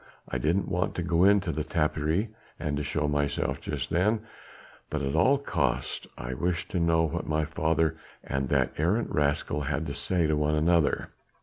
I didn't want to go into the tapperij and to show myself just then, but at all costs I wished to know what my father and that arrant rascal had to say to one another.